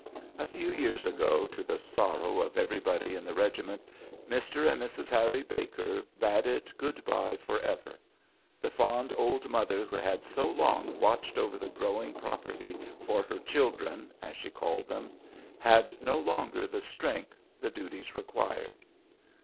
A few years ago, to the sorrow of everybody in the regiment, Mr. and Mrs. Harry Baker bade it good by forever. The fond old mother who had so long watched over the growing property for "her children," as she called them, had no longer the strength the duties required.